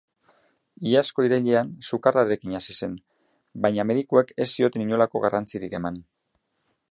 Iazko irailean sukarrarekin hasi zen, baina medikuek ez zioten inolako garrantzirik eman.